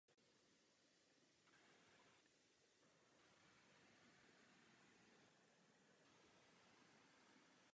Díky častým kontaktům se šířil španělský oděvní styl Evropou.